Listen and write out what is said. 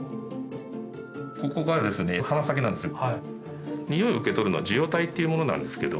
ここがですね鼻先なんですよ。